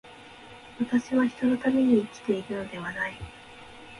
私は人のために生きているのではない。